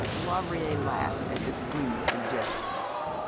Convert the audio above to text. Maulevrier laughed at this gloomy suggestion.